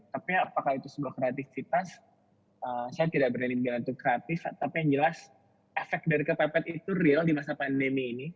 tapi apakah itu sebuah kreatifitas saya tidak berani bilang itu kreatif tapi yang jelas efek dari kepepet itu real di masa pandemi ini